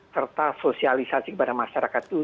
serta sosialisasi kepada masyarakat itu